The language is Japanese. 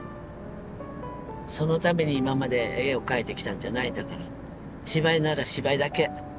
「そのために今まで絵を描いてきたんじゃないんだから芝居なら芝居だけ。